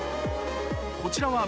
こちらは